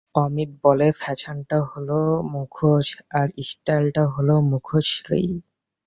অমিত বলে, ফ্যাশানটা হল মুখোশ, স্টাইলটা হল মুখশ্রী।